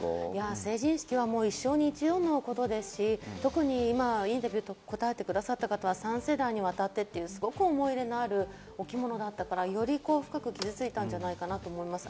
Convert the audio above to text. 成人式は一生に一度のことですし、特にインタビューで答えてくださった方は３世代にわたってという、すごく思い入れのあるお着物だったから、より深く傷ついたんじゃないかと思います。